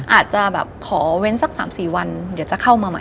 อาจจะแบบขอเว้นสัก๓๔วันเดี๋ยวจะเข้ามาใหม่